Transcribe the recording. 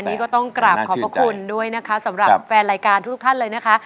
นี่ก็ต้องกราบขอบพระคุณด้วยนะคะสำหรับแฟนรายการทุกท่านเลยนะคะ